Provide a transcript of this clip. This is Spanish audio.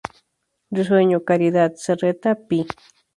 Risueño, Caridad, Serreta, Pl.